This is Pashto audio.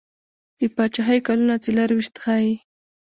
د پاچهي کلونه څلیرویشت ښيي.